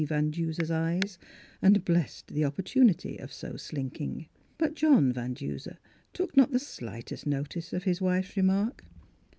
Van Duser's eyes, and blessed the oppor tunity of so slinking. But Jolm Van Duser took not the slightest notice of his wife's remark.